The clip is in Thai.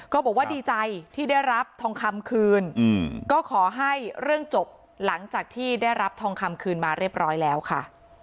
บอกว่าดีใจที่ได้รับทองคำคืนก็ขอให้เรื่องจบหลังจากที่ได้รับทองคำคืนมาเรียบร้อยแล้วค่ะ